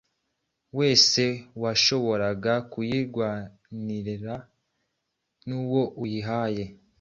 wese washoboraga kuyirwanira n’uwo uyihawe